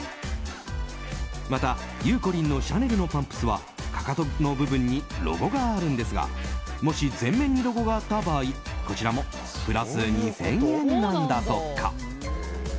また、ゆうこりんのシャネルのパンプスはかかとの部分にロゴがあるんですがもし前面にロゴがあった場合こちらもプラス２０００円なんだとか。